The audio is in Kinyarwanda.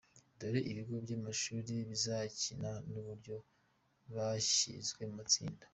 Dore ibigo by’amashuli bizakina n’uburyo bashyizwe mu matsinda:.